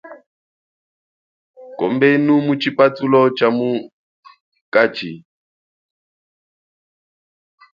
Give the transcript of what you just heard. Kombenu mu chipathulo chamukachi.